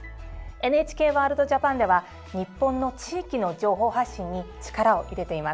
「ＮＨＫワールドＪＡＰＡＮ」では日本の地域の情報発信に力を入れています。